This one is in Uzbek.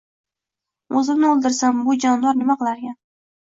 O`zimni o`ldirsam, bu jonivor nima qilarkin